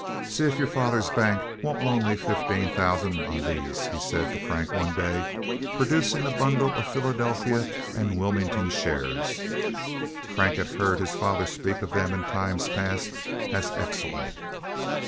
"See if your father's bank won't loan me fifteen thousand on these," he said to Frank, one day, producing a bundle of Philadelphia & Wilmington shares. Frank had heard his father speak of them in times past as excellent.